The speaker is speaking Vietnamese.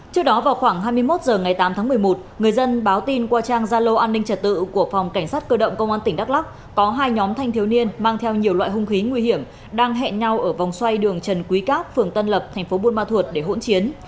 trước đó vào khoảng hai mươi một h ngày tám tháng một mươi một người dân báo tin qua trang gia lô an ninh trật tự của phòng cảnh sát cơ động công an tỉnh đắk lắc có hai nhóm thanh thiếu niên mang theo nhiều loại hung khí nguy hiểm đang hẹn nhau ở vòng xoay đường trần quý cáp phường tân lập thành phố buôn ma thuột để hỗn chiến